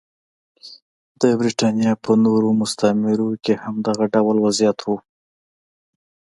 د برېټانیا په نورو مستعمرو کې هم دغه ډول وضعیت و.